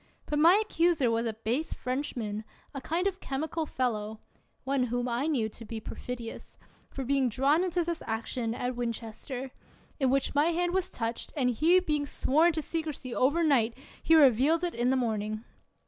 But my accuser was a base Frenchman, a kind of chemical fellow — one whom I knew to be perfidious; for being drawn into this action at Winchester, in which my hand was touched, and he being sworn to secrecy overnight, he revealed it in the morning.